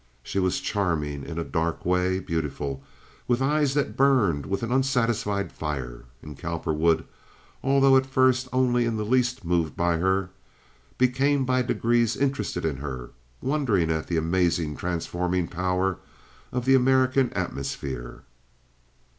She was charming in a dark way, beautiful, with eyes that burned with an unsatisfied fire; and Cowperwood, although at first only in the least moved by her, became by degrees interested in her, wondering at the amazing, transforming power of the American atmosphere.